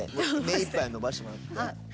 目いっぱい伸ばしてもらって。